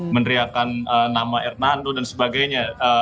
meneriakan nama hernando dan sebagainya